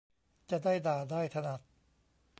จะได้ด่าได้ถนัด